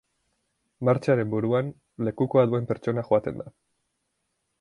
Martxaren buruan, lekukoa duen pertsona joaten da.